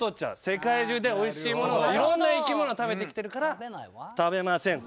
世界中でおいしいものいろんな生き物食べてきてるから「食べません」と。